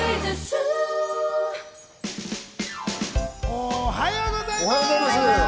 おはようございます！